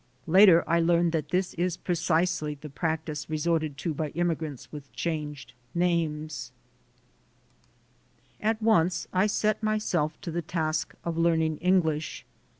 Later I learned that this is precisely the practice resorted to by immigrants with changed names. 108 THE SOUL OF AN IMMIGRANT At once I set myself to the task of learning Eng lish.